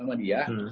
dia mau dimana